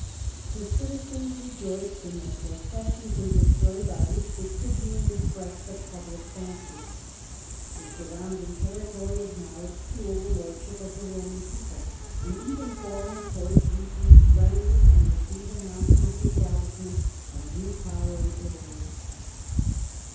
The citizens rejoiced in the processions and display by which the Tribune im pressed the pubhc fancy. The surrounding territory acknowledged the overlordship of the Roman people and even foreign courts received letters and embassies announcing the establishment of a new power in Italy.